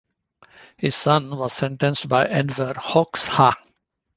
His son was sentenced by Enver Hoxha.